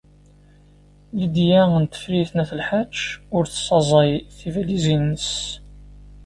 Lidya n Tifrit n At Lḥaǧ ur tessaẓay tibalizin-nnes.